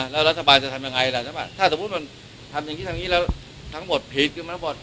แล้วรัฐบาลจะทำยังไงล่ะถ้าสมมุติมันทำอย่างนี้แล้วทั้งหมดผิดก็มันต้องบอก